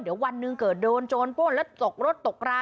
เดี๋ยววันหนึ่งเกิดโดนโจรป้นแล้วตกรถตกรา